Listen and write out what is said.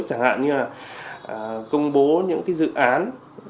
chẳng hạn như là công bố những cái dự án